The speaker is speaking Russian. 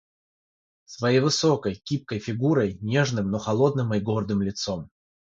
своей высокой гибкой фигурой, нежным, но холодным и гордым лицом,